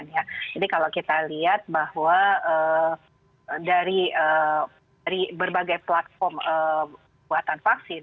jadi kalau kita lihat bahwa dari berbagai platform buatan vaksin